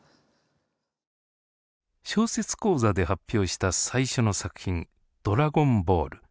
小説講座で発表した最初の作品「ドラゴンボール」。